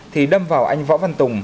thì đâm vào anh võ văn tùng